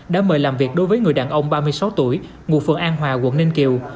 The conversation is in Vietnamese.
đã mời làm việc đối với người đàn ông ba mươi sáu tuổi ngụ phường an hòa quận ninh kiều